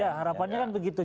ya harapannya kan begitu